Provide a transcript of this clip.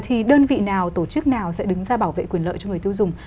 thì đơn vị nào tổ chức nào sẽ đứng ra bảo vệ quyền lợi cho người tiêu dùng